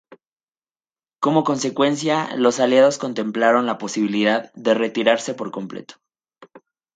Como consecuencia, los aliados contemplaron la posibilidad de retirarse por completo.